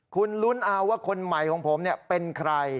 คุณลุ้นเอาว่าคนใหม่ของผมเป็นใคร